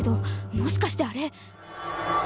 もしかしてあれ！